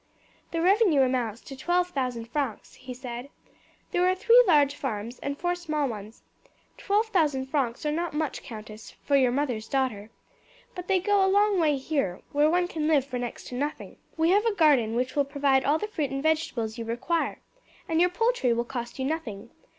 "The revenue amounts to twelve thousand francs," he said. "There are three large farms and four small ones. Twelve thousand francs are not much, countess, for your mother's daughter; but they go a long way here, where one can live for next to nothing. We have a garden which will provide all the fruit and vegetables you require, and your poultry will cost you nothing.